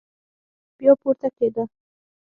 بيا پورته کېده.